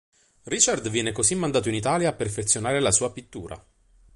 Richard viene così mandato in Italia a perfezionare la sua pittura.